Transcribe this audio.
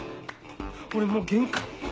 俺もう限界。